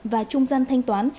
và trung gian thanh toán